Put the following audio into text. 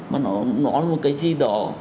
mà nó là một cái gì đó